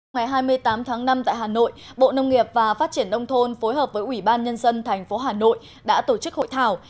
ngày hai mươi tám tháng năm tại hà nội bộ nông nghiệp và phát triển nông thôn phối hợp với ủy ban nhân dân thành phố hà nội đã tổ chức hội thảo